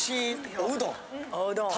おうどん。